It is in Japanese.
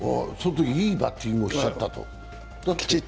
いいバッティングをしちゃったってこと？